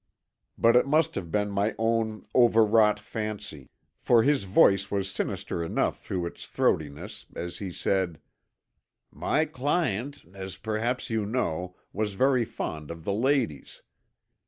But it must have been my own overwrought fancy, for his voice was sinister enough through its throatiness, as he said: "My client, as perhaps you know, was very fond of the ladies.